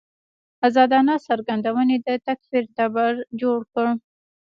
ازادانه څرګندونې د تکفیر تبر جوړ کړ.